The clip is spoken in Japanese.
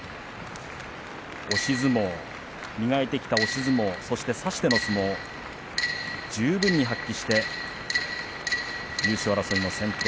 磨いてきた押し相撲そして差しての相撲十分に発揮して優勝争いの先頭。